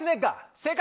正解。